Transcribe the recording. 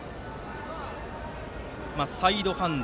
サイドハンド。